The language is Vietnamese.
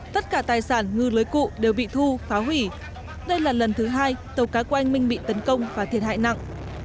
tất cả tài sản ngư lưới cụ đều bị thu phá hủy đây là lần thứ hai tàu cá của anh minh bị tấn công và thiệt hại nặng